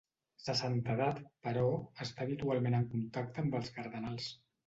Sa Santedat, però, està habitualment en contacte amb els cardenals.